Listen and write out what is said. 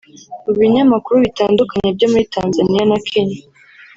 Mu binyamakuru bitandukanye byo muri Tanzania na Kenya